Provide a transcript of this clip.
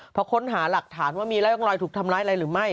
พอค้นหาหลักฐานว่ามีร่องรอยถูกทำร้ายอะไรหรือไม่